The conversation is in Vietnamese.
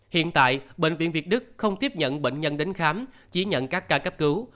hiện tại bệnh viện việt đức không tiếp nhận bệnh nhân đến khám chỉ nhận các ca cấp cứu